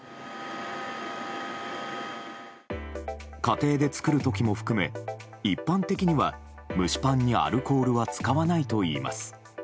家庭で作る時も含め一般的には蒸しパンにアルコールは使わないといいます。